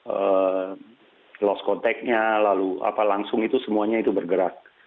ee lost contact nya lalu apa langsung itu semuanya itu bergerak